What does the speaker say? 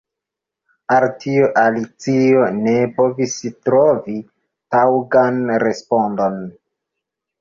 Al tio Alicio ne povis trovi taŭgan respondon.